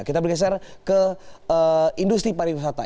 kita bergeser ke industri pariwisata